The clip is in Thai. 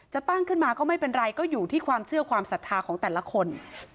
จะตั้งขึ้นมาก็ไม่เป็นไรก็อยู่ที่ความเชื่อความศรัทธาของแต่ละคน